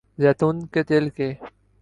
زیتون کے تیل کے